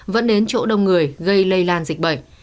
vẫn đến chỗ đông người gây lây lan dịch bệnh